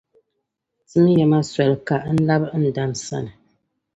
timiya ma soli ka n labi n dan’ sani.